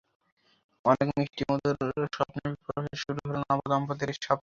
অনেক মিষ্টি মধুর স্বপ্নে বিভোর হয়ে শুরু হলো নবদম্পতির স্বপ্ন বোনার পথচলা।